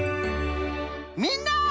みんな！